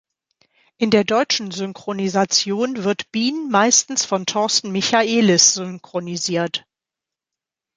In der deutschen Synchronisation wird Bean meistens von Torsten Michaelis synchronisiert.